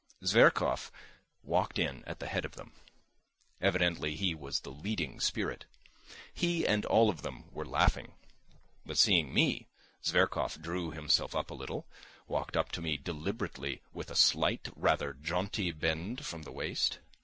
Zverkov walked in at the head of them; evidently he was the leading spirit. He and all of them were laughing; but, seeing me, Zverkov drew himself up a little, walked up to me deliberately with a slight, rather jaunty bend from the waist.